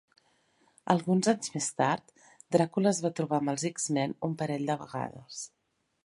Alguns anys més tard, Dràcula es va trobar amb els X-Men un parell de vegades.